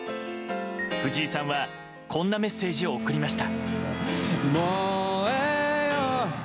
藤井さんはこんなメッセージを送りました。